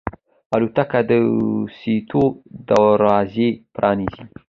الوتکه د دوستیو دروازې پرانیزي.